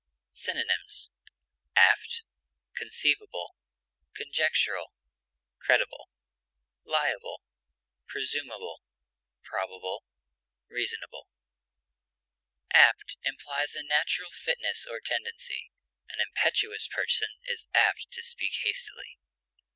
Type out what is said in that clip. Synonyms: apt, conceivable, liable, probable, credible, conjectural, presumable, reasonable. Apt implies a natural fitness or tendency; an impetuous person is apt to speak hastily.